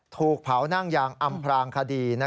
ถูกเผานั่งยางอำพรางคดี